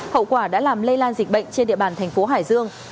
hậu quả đã làm lây lan dịch bệnh trên địa bàn thành phố hải dương